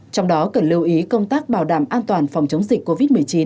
trong đó cần lưu ý công tác bảo đảm an toàn phòng chống dịch covid một mươi chín